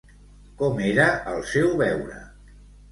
Com era el seu beure?